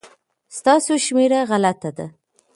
ستاسو شمېره غلطه ده